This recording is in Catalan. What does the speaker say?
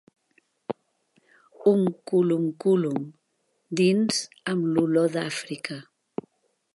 «Umkulumkulum», dins Amb l'olor d'Àfrica.